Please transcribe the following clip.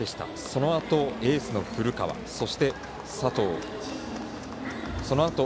そのあとエースの古川そして、佐藤、そのあと